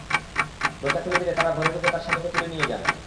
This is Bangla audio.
দরজা খুলে দিলে তাঁরা ঘরে ঢুকে তাঁর স্বামীকে তুলে নিয়ে যান।